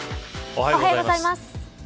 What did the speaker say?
おはようございます。